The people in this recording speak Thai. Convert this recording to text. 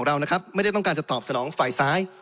เรานะครับไม่ได้ต้องการจะตอบสนองฝ่ายซ้าย